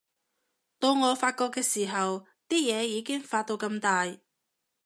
到我發覺嘅時候，啲嘢已經發到咁大